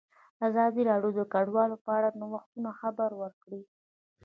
ازادي راډیو د کډوال په اړه د نوښتونو خبر ورکړی.